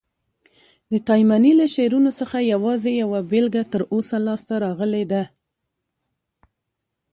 د تایمني له شعرونو څخه یوازي یوه بیلګه تر اوسه لاسته راغلې ده.